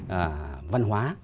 và văn hóa